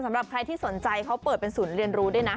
สำหรับใครที่สนใจเขาเปิดเป็นศูนย์เรียนรู้ด้วยนะ